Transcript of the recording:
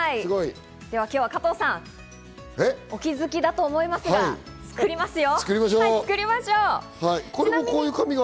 今日は加藤さん、お気づきだと思いますが、作りますよ。